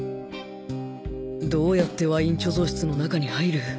どうやってワイン貯蔵室の中に入る？